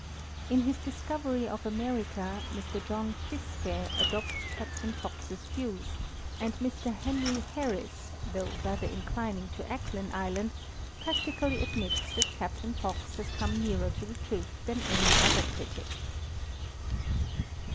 In his Discovery of America, Mr John Fiske adopts Captain Fox's views, and Mr Henry Harrisse, though rather in clining to Acklin island, practically admits that Captain Fox has come nearer to the truth than any other critic.